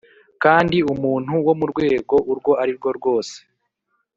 kandi umuntu wo mu rwego urwo ari rwo rwose